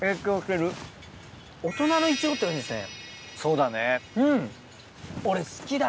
そうだね。